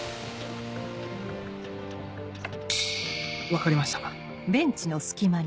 分かりましたよし。